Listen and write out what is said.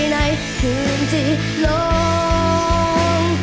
ในคืนที่ลง